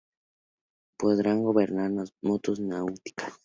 Podrán gobernar motos náuticas.